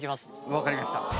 分かりました。